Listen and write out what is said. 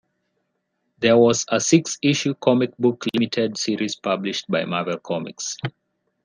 There was a six-issue comic book limited series published by Marvel Comics.